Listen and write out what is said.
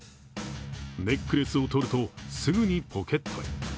ネックレスを取るとすぐにポケットへ。